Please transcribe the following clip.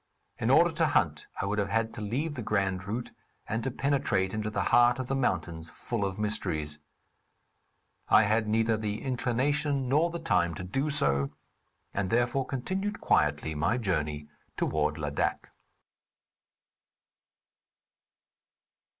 In order to hunt, I would have had to leave the grand route and to penetrate into the heart of the mountains full of mysteries. I had neither the inclination nor the time to do so, and, therefore, continued quietly my journey toward Ladak.